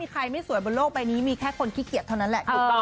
ใครไม่สวยบนโลกใบนี้มีแค่คนขี้เกียจเท่านั้นแหละถูกต้อง